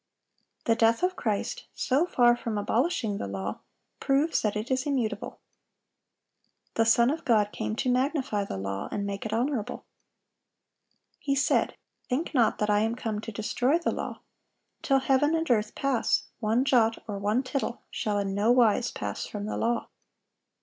The death of Christ, so far from abolishing the law, proves that it is immutable. The Son of God came to "magnify the law, and make it honorable."(782) He said, "Think not that I am come to destroy the law;" "till heaven and earth pass, one jot or one tittle shall in no wise pass from the law."